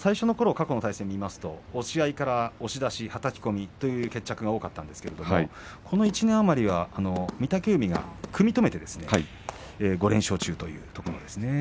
過去の対戦を見ると押し出しからはたき込みという決着が多かったですがこの１年余りは御嶽海が組み止めて５連勝中というところなんですね。